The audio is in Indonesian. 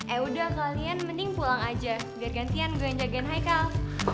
eh udah kalian mending pulang aja biar gantian belanja gen haikal